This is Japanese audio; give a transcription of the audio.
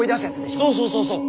そうそうそうそう。